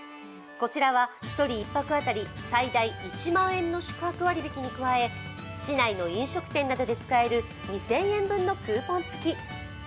こちらは１人１泊当たり最大宿泊割引に加え、市内の飲食店などで使える２０００円分のクーポン付き。